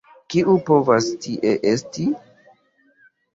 kiu povas tie esti?